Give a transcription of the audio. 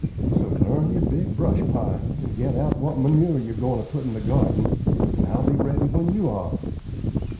So burn your big brush pile, and get out what manure you're goin' to put in the garden, and I'll be ready when you are."